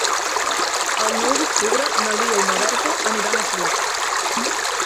El nou d'octubre na Lia i na Berta aniran a Flix.